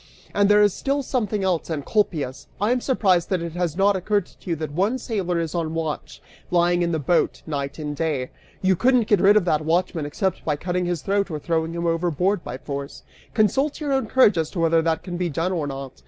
And there is still something else, Encolpius. I am surprised that it has not occurred to you that one sailor is on watch, lying in the boat, night and day. You couldn't get rid of that watchman except by cutting his throat or throwing him overboard by force. Consult your own courage as to whether that can be done or not.